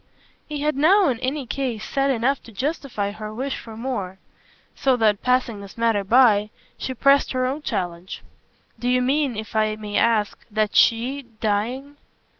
He had now in any case said enough to justify her wish for more; so that, passing this matter by, she pressed her own challenge. "Do you mean, if I may ask, that SHE, dying